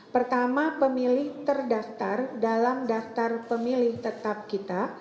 pertama pemilih terdaftar dalam daftar pemilih tetap kita